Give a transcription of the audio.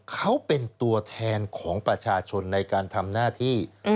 เขาเป็นตัวแทนของประชาชนในการทำหน้าที่